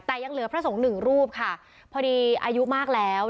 แต่ยังเหลือพระสงฆ์หนึ่งรูปค่ะพอดีอายุมากแล้ว